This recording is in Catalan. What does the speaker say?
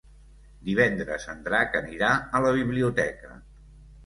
Divendres en Drac anirà a la biblioteca.